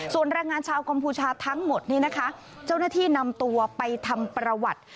ส่วนแรงงานชาวกัมพูชาทั้งหมดนี้นะคะเจ้าหน้าที่นำตัวไปทำประวัติ